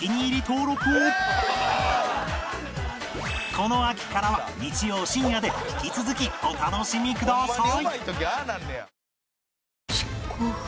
この秋からは日曜深夜で引き続きお楽しみください